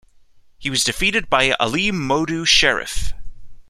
He was defeated by Ali Modu Sheriff.